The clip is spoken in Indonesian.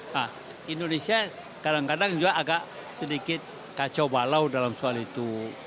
nah indonesia kadang kadang juga agak sedikit kacau balau dalam soal itu